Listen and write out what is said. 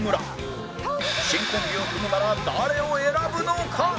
新コンビを組むなら誰を選ぶのか？